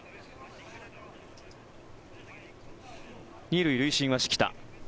２塁塁審は敷田。